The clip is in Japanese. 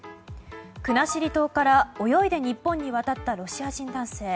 国後島から泳いで日本に渡ったロシア人男性。